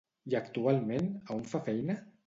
I actualment, a on fa feina?